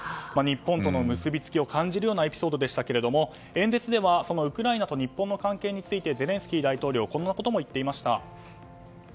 日本との結びつきを感じるようなエピソードでしたけれども演説ではウクライナと日本の関係についてゼレンスキー大統領はこんなことも言っていました。